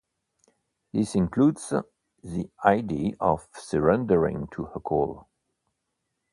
This includes the idea of surrendering to a call.